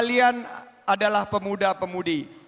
kalian adalah pemuda pemudi